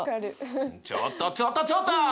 ちょっとちょっとちょっと！